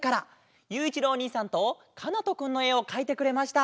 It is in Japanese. ゆういちろうおにいさんとかなとくんのえをかいてくれました。